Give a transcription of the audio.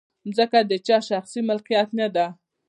مځکه د چا د شخصي ملکیت نه ده.